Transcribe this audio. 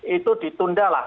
itu ditunda lah